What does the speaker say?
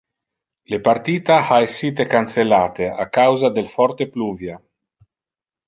Le partita ha essite cancellate a causa del forte pluvia.